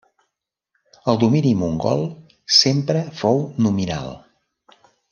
El domini mogol sempre fou nominal.